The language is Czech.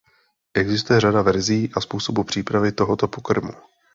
Existuje řada verzí a způsobů přípravy tohoto pokrmu.